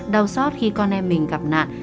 đau xót khi con em mình gặp nạn